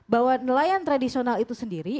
bahwa nelayan tradisional itu sendiri